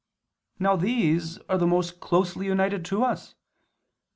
Now these are the most closely united to us.